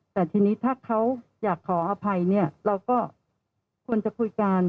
แต่ทีนี้ถ้าเขาอยากขออภัยเนี่ยเราก็ควรจะคุยกัน